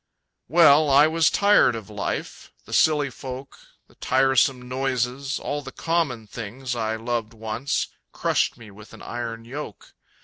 Well, I was tired of life; the silly folk, The tiresome noises, all the common things I loved once, crushed me with an iron yoke.